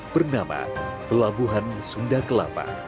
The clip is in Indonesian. bernama pelabuhan sukup